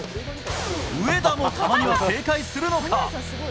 上田もたまには正解するのか？